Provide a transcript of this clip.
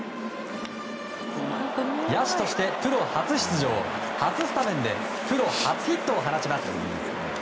野手としてプロ初出場初スタメンでプロ初ヒットを放ちます。